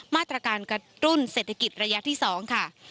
มาตรการกระตุ้นเศรษฐกิจระยะที่๒ค่ะ